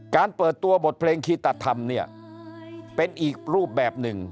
เปิดตัวบทเพลงคีตธรรมเนี่ยเป็นอีกรูปแบบหนึ่ง